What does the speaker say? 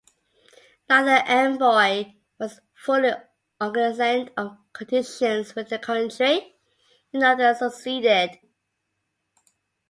Neither envoy was fully cognizant of conditions within the country, and neither succeeded.